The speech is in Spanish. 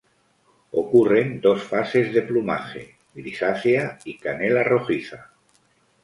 Ocurren dos fases de plumaje: grisácea y canela-rojiza.